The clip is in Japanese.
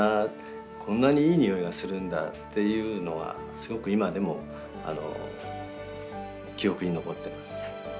こんなにいい匂いがするんだっていうのがすごく今でも記憶に残ってます。